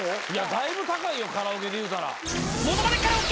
だいぶ高いよカラオケでいうたら。